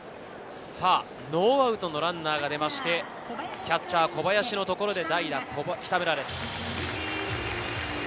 ノーアウトのランナーが出まして、キャッチャー・小林のところで代打・北村です。